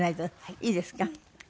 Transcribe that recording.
いいですか？